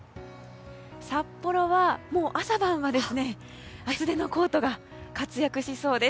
札幌は、朝晩は厚手のコートが活躍しそうです。